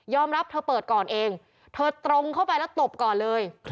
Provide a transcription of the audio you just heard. รับเธอเปิดก่อนเองเธอตรงเข้าไปแล้วตบก่อนเลย